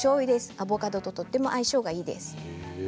アボカドととても相性がいいです。